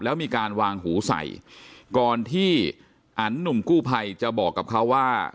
แล้วมีการวางหูใส่ก่อนที่อันหนุ่มกู้ภัยจะบอกกับเขาว่า